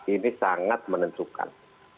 ini sangat menentukan